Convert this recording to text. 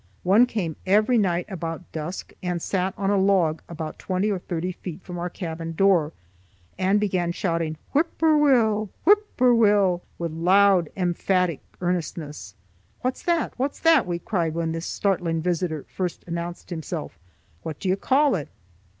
One came every night about dusk and sat on a log about twenty or thirty feet from our cabin door and began shouting "Whip poor Will! Whip poor Will!" with loud emphatic earnestness. "What's that? What's that?" we cried when this startling visitor first announced himself. "What do you call it?"